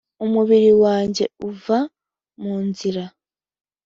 umubiri wanjye uva mu nzira '